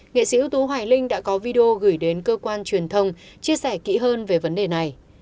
nghệ sĩ ưu tú hoài linh đã có video gửi đến cơ quan truyền thông chia sẻ kỹ hơn về vấn đề này